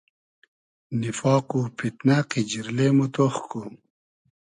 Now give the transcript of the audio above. نیفاق و پیتنۂ , قیجیرلې مۉ تۉخ کو